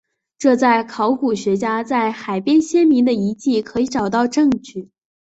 这在考古学家在海边先民的遗迹可以找到证据。